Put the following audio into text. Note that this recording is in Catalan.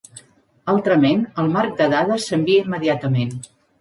Altrament, el marc de dades s'envia immediatament.